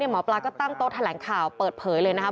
หมอปลาก็ตั้งโต๊ะแถลงข่าวเปิดเผยเลยนะครับ